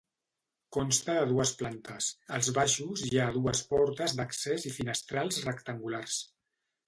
Consta de dues plantes; als baixos hi ha dues portes d'accés i finestrals rectangulars.